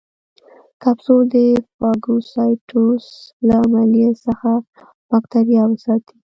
کپسول د فاګوسایټوسس له عملیې څخه باکتریاوې ساتي.